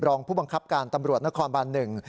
รองผู้บังคับการตำรวจนครบานหนึ่ง